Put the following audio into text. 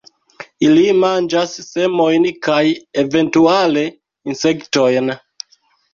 Ili manĝas semojn kaj eventuale insektojn.